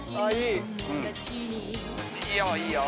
いいよいいよ。